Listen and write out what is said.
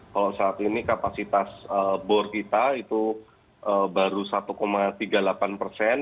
kalau saat ini kapasitas bor kita itu baru satu tiga puluh delapan persen